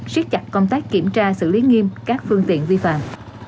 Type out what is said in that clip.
siết chặt công tác kiểm tra xử lý nghiêm các phương tiện vi phạm